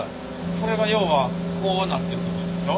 それが要はこうなってるってことでしょ？